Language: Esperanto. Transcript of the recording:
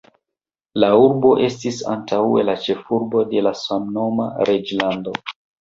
La urbo estis antaŭe la ĉefurbo de la samnoma reĝlando.